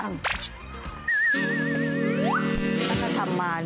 อะไรน่ะที่จะทำมา